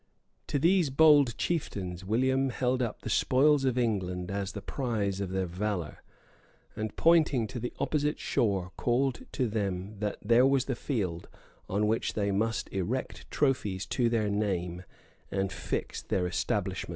[*] To these bold chieftains William held up the spoils of England as the prize of their valor; and pointing to the opposite shore, called to them that there was the field, on which they must erect trophies to their name, and fix their establishments.